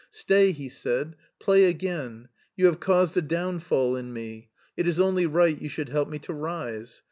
"Stay," he said, "play again. You have caused a downfall in me; it is only right you should help me to rise.